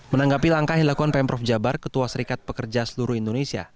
menanggapi langkah yang dilakukan pemprov jabar ketua serikat pekerja seluruh indonesia